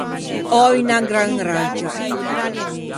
Ò unna gran raggia.